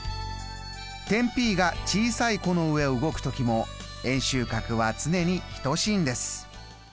点Ｐが小さい弧の上を動く時も円周角はつねに等しいんです。